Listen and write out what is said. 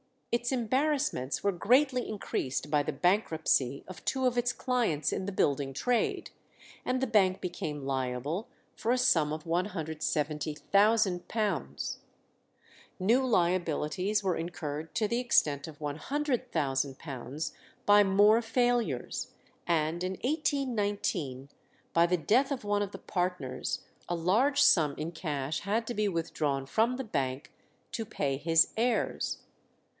Its embarrassments were greatly increased by the bankruptcy of two of its clients in the building trade, and the bank became liable for a sum of £170,000. New liabilities were incurred to the extent of £100,000 by more failures, and in 1819, by the death of one of the partners, a large sum in cash had to be withdrawn from the bank to pay his heirs.